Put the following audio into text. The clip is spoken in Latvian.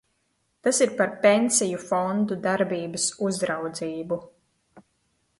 Tas ir par pensiju fondu darbības uzraudzību.